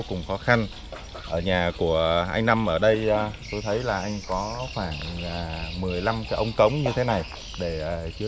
cùng khó khăn ở nhà của hai anh năm ở đây tôi thấy là anh có khoảng một mươi năm cái ống cống như thế này để chữa